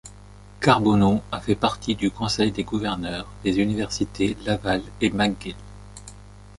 Carbonneau a fait partie du conseil des gouverneurs des universités Laval et McGill.